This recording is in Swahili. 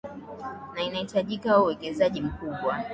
na inahitajika uwekezaji mkubwa